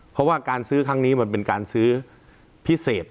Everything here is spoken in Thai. เพราะว่าการซื้อครั้งนี้มันเป็นการซื้อพิเศษ